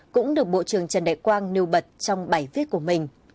cũng được bộ trưởng trần đại quang nêu bật trong bài viết của mình